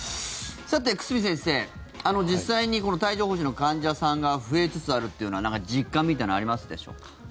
さて、久住先生実際に帯状疱疹の患者さんが増えつつあるというのは実感みたいなのはありますでしょうか？